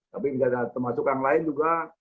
tapi termasuk yang lain juga